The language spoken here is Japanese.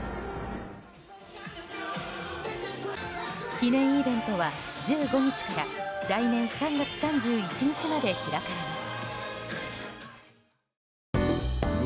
記念イベントは１５日から来年３月３１日まで開かれます。